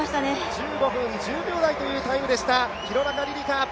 １５分１０秒台というタイムでした、廣中璃梨佳。